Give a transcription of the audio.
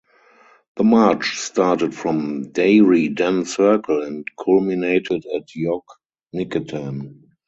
The march started from Dairy Den Circle and culminated at Yog Niketan.